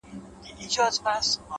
o اوس يې ياري كومه ياره مـي ده،